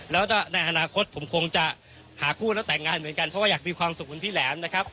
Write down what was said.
แล้วก็ในอนาคตผมคงจะหาคู่แล้วแต่งงานเหมือนกันเพราะว่าอยากมีความสุขเหมือนพี่แหลมนะครับ